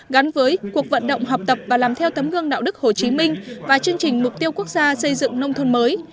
gắn với cuộc vận động học tập và làm theo tấm gương đạo đức hồ chí minh và chương trình mục tiêu quốc gia xây dựng nông thôn mới